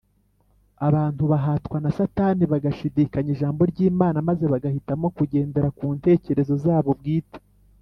abantu bahatwa na satani bagashidikanya ijambo ry’imana maze bagahitamo kugendera ku ntekerezo zabo bwite